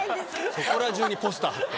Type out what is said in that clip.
そこら中にポスター張って。